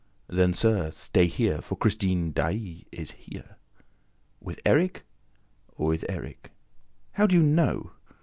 "Then, sir, stay here, for Christine Daae is here!" "With Erik?" "With Erik." "How do you know?"